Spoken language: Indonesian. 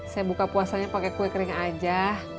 saya buka puasanya pakai kue kering aja